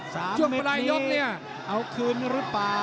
สามเมตรนี้เอาคืนรึเปล่า